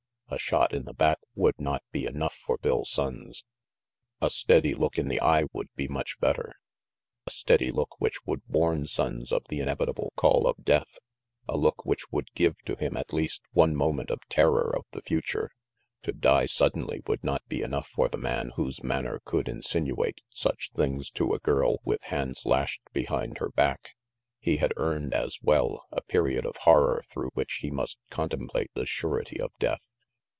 A shot in the back would not be enough for Bill Sonnes. A steady look in the eye would be much better a steady look which would warn Sonnes of the inevitable call of Death, a look which would give to RANGY PETE 337 him at least one moment of terror of the future. To die suddenly would not be enough for the man whose manner could insinuate such things to a girl with hands lashed behind her back. He had earned, as well, a period of horror through which he must con template the surety of Death.